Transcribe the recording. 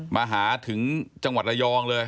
มาหาถึงจังหวัดระยองเลย